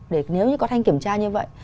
để nếu như có thanh kiểm tra như vậy